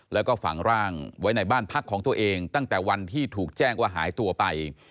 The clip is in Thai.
แล้วก็ฝังร่างไว้ในบ้านพักของตัวเองตั้งแต่วันที่ถูกแจ้งว่าหายตัวไป